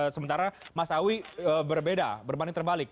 sementara mas awi berbeda berbanding terbalik